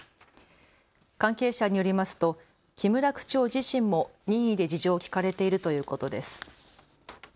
関係者によりますと木村区長自身も任意で事情を聴かれているということです。